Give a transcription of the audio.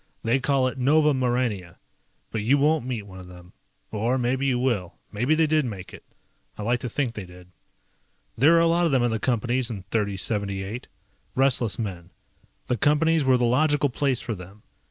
They call it Nova Maurania. But you won't meet one of them. Or maybe you will, maybe they did make it. I like to think they did. There were a lot of them in the Companies in 3078. Restless men. The Companies were the logical place for them.